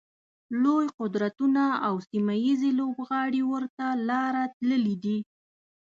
لوی قدرتونه او سیمه ییز لوبغاړي ورته لاره تللي دي.